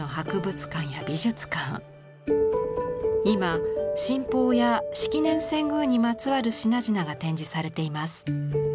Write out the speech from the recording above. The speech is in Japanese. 今神宝や式年遷宮にまつわる品々が展示されています。